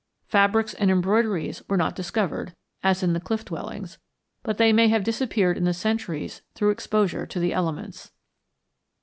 Fabrics and embroideries were not discovered, as in the cliff dwellings, but they may have disappeared in the centuries through exposure to the elements.